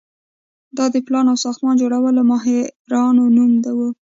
دا د پلان او ساختمان جوړولو ماهرانو نوم و.